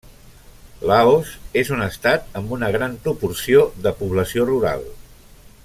Laos és un estat amb una gran proporció de població rural.